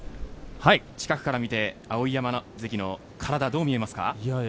近くから見て碧山関の体、どう見ますか？